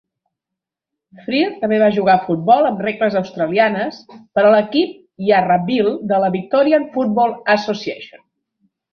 Freer també va jugar a futbol amb regles australianes per a l'equip Yarraville de la Victorian Football Association.